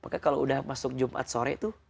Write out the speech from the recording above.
maka kalau sudah masuk jumat sore itu